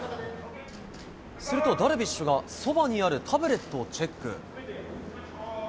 するとダルビッシュが、そばにあるタブレットをチェック。